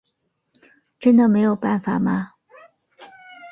真的没有办法吗？